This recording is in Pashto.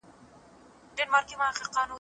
د قائم مقامې لپاره ئې هم د نوبت د تغير حق نلري.